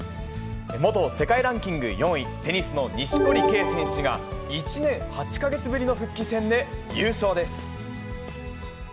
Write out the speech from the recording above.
元世界ランキング４位、テニスの錦織圭選手が、１年８か月ぶりの復帰戦で優勝です。